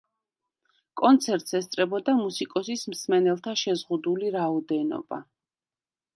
კონცერტს ესწრებოდა მუსიკოსის მსმენელთა შეზღუდული რაოდენობა.